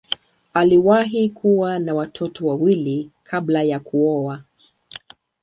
Aliwahi kuwa na watoto wawili kabla ya kuoa.